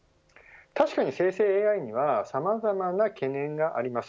確かに生成ＡＩにはさまざまな懸念があります。